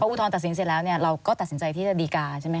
พออุทธรณ์ตัดสินเสร็จแล้วเราก็ตัดสินใจที่จะดีการ์ใช่ไหมครับ